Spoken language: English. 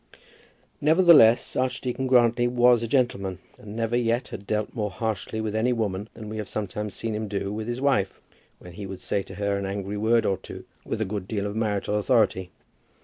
Nevertheless Archdeacon Grantly was a gentleman, and never yet had dealt more harshly with any woman than we have sometimes seen him do with his wife, when he would say to her an angry word or two with a good deal of marital authority.